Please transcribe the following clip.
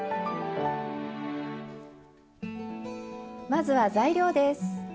まずは材料です。